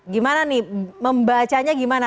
gimana nih membacanya gimana